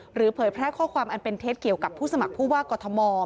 เผยแพร่ข้อความอันเป็นเท็จเกี่ยวกับผู้สมัครผู้ว่ากอทม